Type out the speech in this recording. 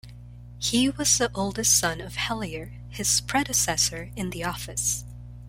He was the oldest son of Hellier, his predecessor in the office.